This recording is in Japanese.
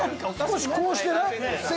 少しこうしてない？